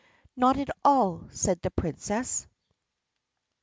"Not at all," said the Princess.